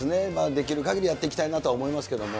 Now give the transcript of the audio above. できるかぎりやっていきたいなとは思いますけれども。